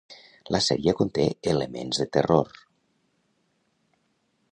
La sèrie conté elements de terror.